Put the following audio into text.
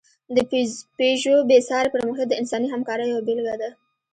د پيژو بېساری پرمختګ د انساني همکارۍ یوه بېلګه ده.